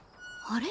あれ？